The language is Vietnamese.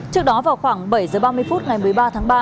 trước đó vào khoảng bảy h ba mươi phút ngày một mươi ba tháng ba